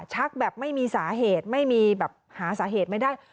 แบบไม่มีสาเหตุไม่มีแบบหาสาเหตุไม่ได้